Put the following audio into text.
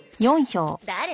誰？